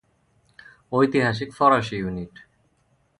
ঐতিহাসিক ফরাসি ইউনিট.